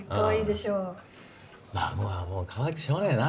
孫はもうかわいくてしょうがねえな。